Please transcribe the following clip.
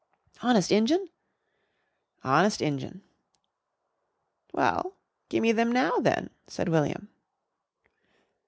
"Honest Injun?" "Honest Injun." "Well, gimme them now then," said William.